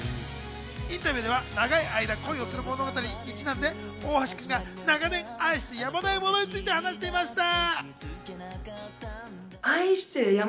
インタビューでは長い間、恋をする物語にちなんで大橋くんが長年愛してやまないものについて話していました。